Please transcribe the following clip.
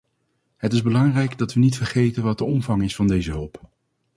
Het is belangrijk dat we niet vergeten wat de omvang is van deze hulp.